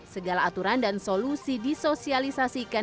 segala aturan dan solusi disosialisasikan